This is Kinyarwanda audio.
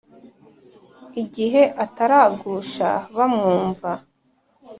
Igihe ataragusha bamwumva,